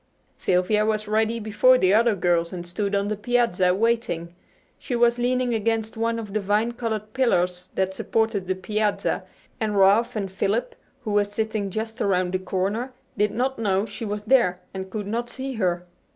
Sylvia was ready before the other girls and stood on the piazza waiting. She was leaning against one of the vine covered pillars that supported the piazza, and Ralph and Philip, who were sitting just around the corner, did not know she was there and could not see her.